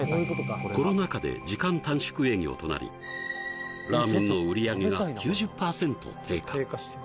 コロナ禍で時間短縮営業となりラーメンの売り上げが９０パーセント低下